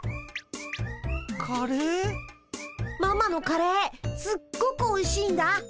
ママのカレーすっごくおいしいんだ。